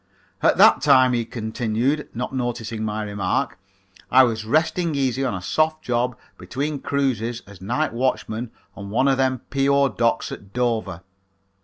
"At that time," he continued, not noticing my remark, "I was resting easy on a soft job between cruises as night watchman on one of them P.O. docks at Dover.